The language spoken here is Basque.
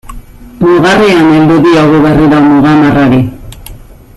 Mugarrian heldu diogu berriro muga marrari.